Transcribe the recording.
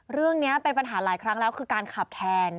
เรื่องนี้เป็นปัญหาหลายครั้งแล้วคือการขับแทน